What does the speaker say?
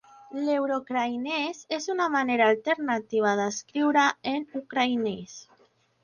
L'euroucraïnès és una manera alternativa d'escriure en ucraïnès.